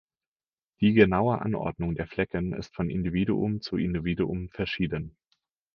Die genaue Anordnung der Flecken ist von Individuum zu Individuum verschieden.